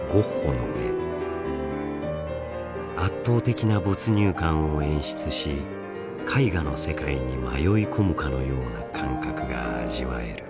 圧倒的な没入感を演出し絵画の世界に迷い込むかのような感覚が味わえる。